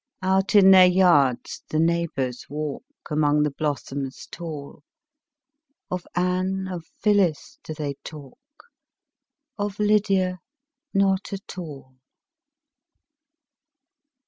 Out in their yards the neighbors walk, Among the blossoms tall; Of Anne, of Phyllis, do they talk, Of Lydia not at all.